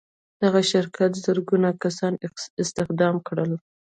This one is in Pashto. دغه شرکت زرګونه کسان استخدام کړل.